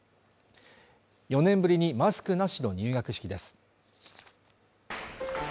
４年ぶりにマスクなしの入学式です。